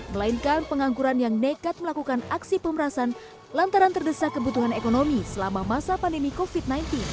melainkan pengangguran yang nekat melakukan aksi pemerasan lantaran terdesak kebutuhan ekonomi selama masa pandemi covid sembilan belas